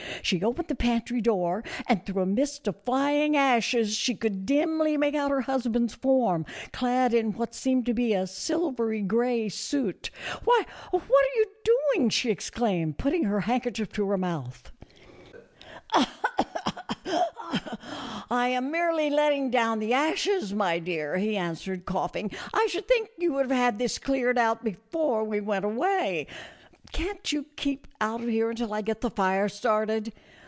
She opened the pantry door, and thioi. h a mist of flying ashes she could dimly make out her husband's form, clad in what seemed to be a silvery gray suit. " Why, what are you doing ?" she exclaimed, putting her handkerchief to her mouth. " I am merely letting down the ashes, my dear," he answered, coughing. " I should think you would 224 A FURNISHED COTTAGE BY THE SEA. have had this cleared out before we went away. Can't you keep out of here until I get the fire started